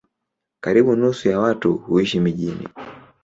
Karibu nusu ya watu huishi mijini.